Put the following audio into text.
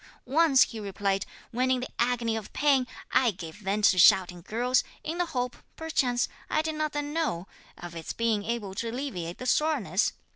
'Once,' he replied, 'when in the agony of pain, I gave vent to shouting girls, in the hope, perchance, I did not then know, of its being able to alleviate the soreness.